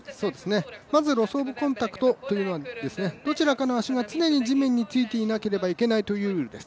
まずロス・オブ・コンタクトというのはどちらかの足が常に地面についていなければいけないというルールです。